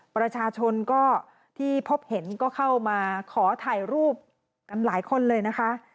ประชาชนก็ที่พบเห็นก็เข้ามาขอถ่ายรูปกันหลายคนเลยนะคะ